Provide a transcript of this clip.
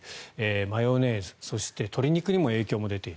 マヨネーズ、そして鶏肉にも影響が出ている。